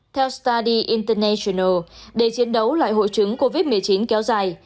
theo study international để chiến đấu lại hội chứng covid một mươi chín kéo dài